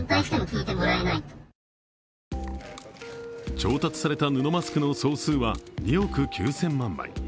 調達された布マスクの総数は２億９０００万枚。